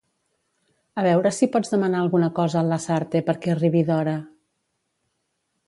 A veure si pots demanar alguna cosa al Lasarte per que arribi d'hora.